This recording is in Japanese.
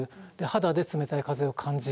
肌で冷たい風を感じる。